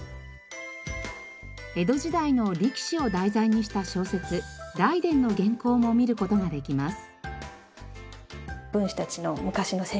江戸時代の力士を題材にした小説『雷電』の原稿も見る事ができます。